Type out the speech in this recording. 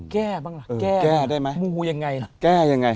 แก้บ้างล่ะแก้ได้มั้ย